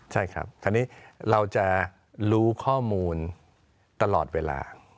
ใช่ครับคราวนี้เราจะรู้ข้อมูลตลอดเวลา